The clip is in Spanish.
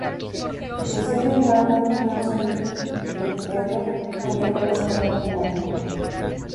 Creció en el barrio Highland Circle de Tupelo donde fue a la escuela primaria.